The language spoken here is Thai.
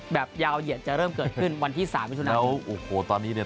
แบบยาวเหยียดจะเริ่มเกิดขึ้นวันที่สามมิถุนายนโอ้โหตอนนี้เนี่ย